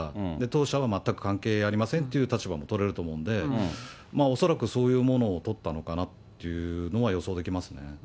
当社は全く関係ありませんという立場も取れると思うんで、恐らくそういうものを取ったのかなというのは予想できますね。